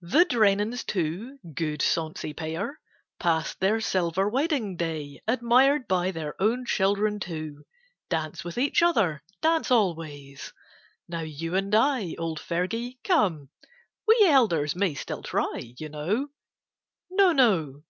The Drennens too, good sonsy pair, Passed their silver wedding day, 139 END OF HARDEST. Admired by their own children too, Dance with each other, dance alway. Now you and I, old Fergie, come, We elders may still try, you know, No, no